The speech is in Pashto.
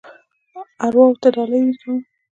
ارواوو ته ډالۍ کوم.